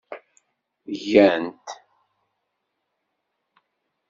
Gan-t.